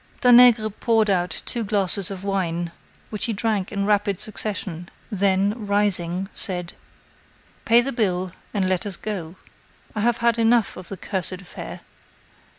Danègre poured out two glasses of wine which he drank in rapid succession, then, rising, said: "Pay the bill, and let us go. I have had enough of the cursed affair."